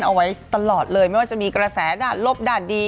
เอาไว้ตลอดเลยไม่ว่าจะมีกระแสด่านลบด่านดี